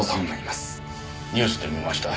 ニュースで見ました。